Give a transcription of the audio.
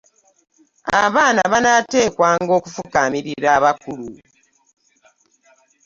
Abaana baateekwanga okufukaamirira abakulu.